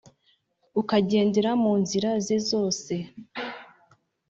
ukagendera mu nzira ze zose